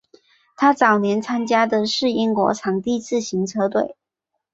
他早年参加的是英国场地自行车队。